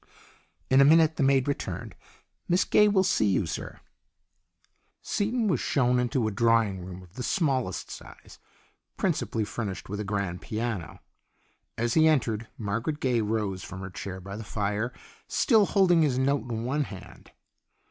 In a minute the maid returned. " Miss Gaye will see you, sir." Seaton was shown into a drawing room of the 130 STORIES IN GREY smallest size, principally furnished with a grand piano. As he entered Margaret Gaye rose from her chair by the fire, still holding his note in one hand.